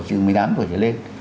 trừ một mươi tám tuổi trở lên